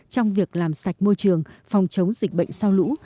trong việc làm sạch môi trường phòng chống dịch bệnh sau lũ